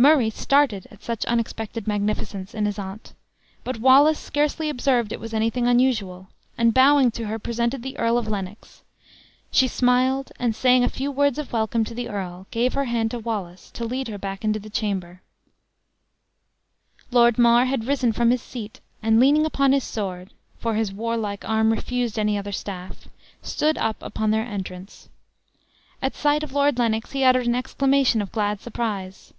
Murray started at such unexpected magnificence in his aunt. But Wallace scarcely observed it was anything unusual, and bowing to her, presented the Earl of Lennox. She smiled; and saying a few words of welcome to the earl, gave her hand to Wallace to lead her back into the chamber. This is the style for state dress worn by noble ladies in the thirteenth century. Lord Mar had risen from his seat; and leaning on his sword (for his warlike arm refused any other staff), stood up on their entrance. At sight of Lord Lennox, he uttered an exclamation of glad surprise.